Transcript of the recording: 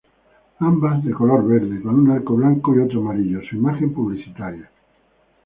Ambas de color verde, con un arco blanco y otro amarillo, su imagen publicitaria.